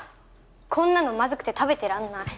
こんなのまずくて食べてらんない。